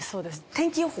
天気予報？